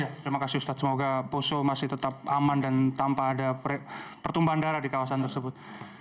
ya terima kasih ustadz semoga poso masih tetap aman dan tanpa ada pertumbuhan darah di kawasan tersebut